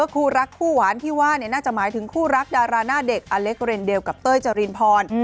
คู่รักคู่หวานที่ว่าน่าจะหมายถึงคู่รักดาราหน้าเด็กอเล็กเรนเดลกับเต้ยจรินพร